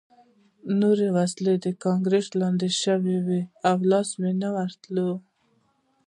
نورې وسلې د کانکریټ لاندې شوې وې او لاسرسی نه ورته و